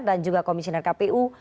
dan juga komisioner kpu